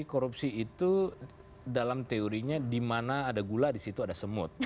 korupsi itu dalam teorinya di mana ada gula di situ ada semut